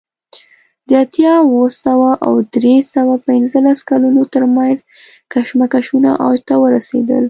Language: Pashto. د اتیا اوه سوه او درې سوه پنځلس کلونو ترمنځ کشمکشونه اوج ته ورسېدل